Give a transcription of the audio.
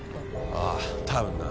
ああ多分な。